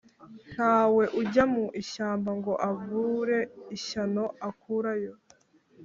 Ntawe ujya mu ishyamba ngo abure ishyano akurayo.